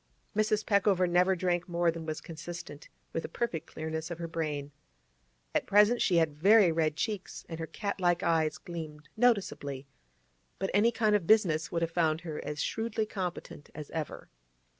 Mrs. Peckover never drank more than was consistent with the perfect clearness of her brain. At present she had very red cheeks, and her cat like eyes gleamed noticeably, but any kind of business would have found her as shrewdly competent as ever.